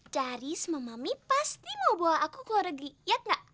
daddy sama mami pasti mau bawa aku keluar negeri ya nggak